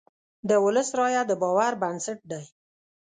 د ولس رایه د باور بنسټ دی.